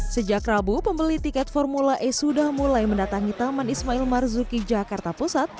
sejak rabu pembeli tiket formula e sudah mulai mendatangi taman ismail marzuki jakarta pusat